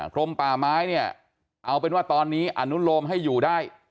กรมป่าไม้เนี่ยเอาเป็นว่าตอนนี้อนุโลมให้อยู่ได้